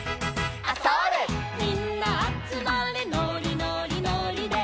「みんなあつまれのりのりのりで」